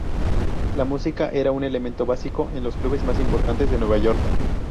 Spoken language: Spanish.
La música era un elemento básico en los clubes más importantes de Nueva York.